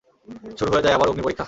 শুরু হয়ে যায় আবার অগ্নিপরীক্ষা।